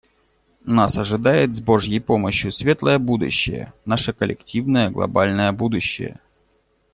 Нас ожидает, с Божьей помощью, светлое будущее — наше коллективное глобальное будущее.